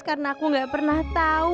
karena aku gak pernah tau